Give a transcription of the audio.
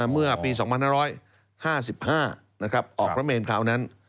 เมื่อปี๒๕๕๕ออกพระเมนคราวนั้น